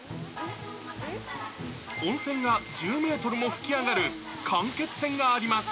温泉が１０メートルも噴き上がる間けつ泉があります。